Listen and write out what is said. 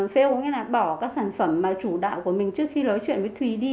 kêu có nghĩa là bỏ các sản phẩm mà chủ đạo của mình trước khi nói chuyện với thùy đi